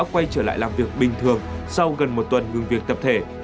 quay trở lại làm việc bình thường sau gần một tuần ngừng việc tập thể